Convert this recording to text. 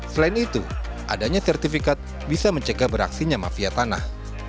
selain itu adanya sertifikat bisa mencegah beraksinya mafia tanah